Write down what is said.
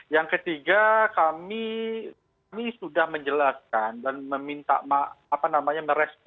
yang ketiga kami sudah menjelaskan dan meminta merespon ketiga masi yang lakukan pak muldoko